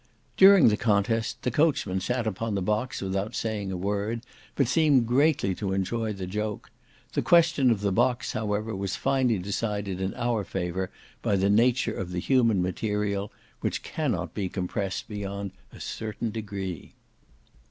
During the contest, the coachman sat upon the box without saying a word, but seemed greatly to enjoy the joke; the question of the box, however, was finally decided in our favour by the nature of the human material, which cannot be compressed beyond a certain degree.